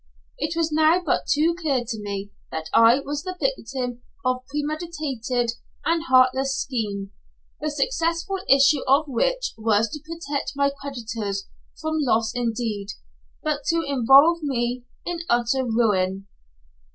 It was now but too clear to me that I was the victim of a premeditated and heartless scheme, the successful issue of which was to protect my creditors from loss indeed, but to involve me in utter ruin.